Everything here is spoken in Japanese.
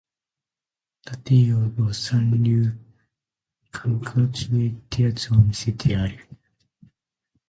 立てよド三流格の違いってやつを見せてやる